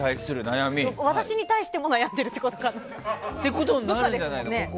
私に対しても悩んでるってことかな？ってことになるんじゃない？